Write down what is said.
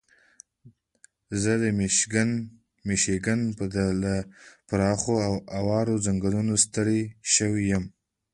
زه د میشیګن له پراخو اوارو ځنګلونو ستړی شوی یم.